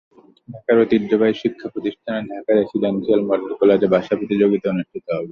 ঢাকার ঐতিহ্যবাহী শিক্ষাপ্রতিষ্ঠান ঢাকা রেসিডেনসিয়াল মডেল কলেজে ভাষা প্রতিযোগ অনুষ্ঠিত হবে।